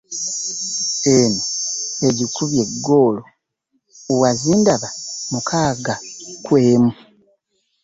Eno egikubye eggoolo wazindaba mukaaga ku emu.